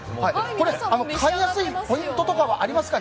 買いやすいポイントとかはありますか？